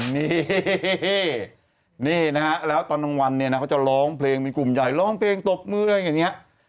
นี่แล้วตอนดังวันเขาจะร้องเพลงเป็นกลุ่มใหญ่ร้องเพลงตบมืออะไรแบบนี้